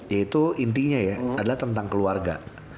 yaitu intinya ya adalah tentang keluarga